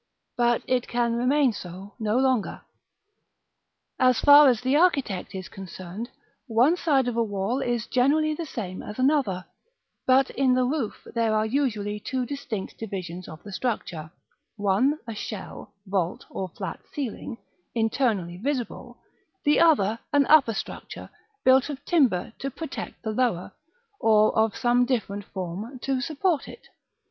But it can remain so no longer. As far as the architect is concerned, one side of a wall is generally the same as another; but in the roof there are usually two distinct divisions of the structure; one, a shell, vault, or flat ceiling, internally visible, the other, an upper structure, built of timber, to protect the lower; or of some different form, to support it.